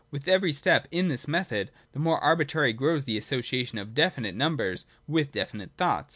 With every step in this method, the more arbitrary grows the association of definite numbers with definite thoughts.